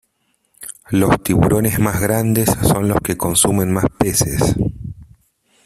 Los tiburones más grandes son los que consumen más peces.